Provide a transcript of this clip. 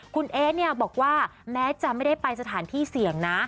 คุณเอ๊เนี่ยบอกว่าแม้จะไม่ได้ไปสถานที่เสี่ยงนะ